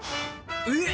えっ！